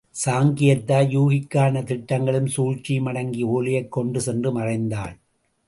சாங்கியத் தாய் யூகிக்கான திட்டங்களும் சூழ்ச்சியும் அடங்கிய ஒலையைக் கொண்டு சென்று மறைந்தாள்.